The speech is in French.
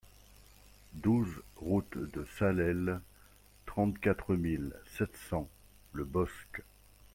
douze route de Salelles, trente-quatre mille sept cents Le Bosc